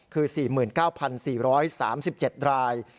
คือ๔๙๔๓๗ราย